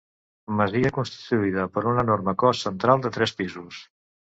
Masia constituïda per un enorme cos central de tres pisos.